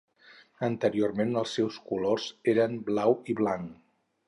Anteriorment els seus colors eren blau i blanc.